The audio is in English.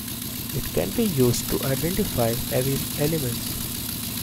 It can be used to identify heavy elements.